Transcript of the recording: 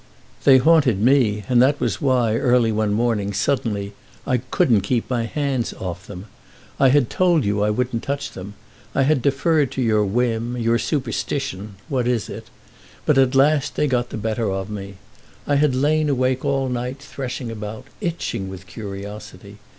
"They haunted me; that was why, early one morning, suddenly, I couldn't keep my hands off them. I had told you I wouldn't touch them. I had deferred to your whim, your superstition (what is it?) but at last they got the better of me. I had lain awake all night threshing about, itching with curiosity.